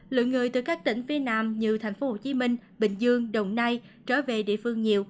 lượng người từ các tỉnh phía nam như tp hcm bình dương đồng nai trở về địa phương nhiều